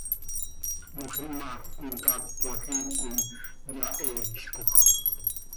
Moxima comcaac cmajiic coi yaheeelcoj.